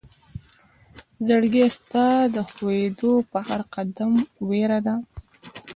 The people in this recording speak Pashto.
زړګيه ستا د خوئيدو په هر قدم وئيره ده